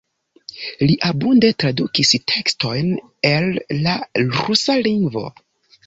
Li abunde tradukis tekstojn el la rusa lingvo.